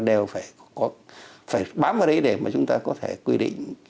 đều phải bám vào đấy để mà chúng ta có thể quy định